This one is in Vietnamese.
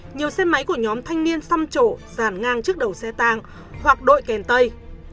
nhiều xe máy của nhóm thanh niên xăm trộ ràn ngang trước đầu xe tăng hoặc đội kèn tây